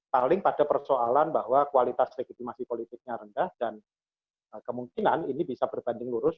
paling pada persoalan bahwa kualitas legitimasi politiknya rendah dan kemungkinan ini bisa berbanding lurus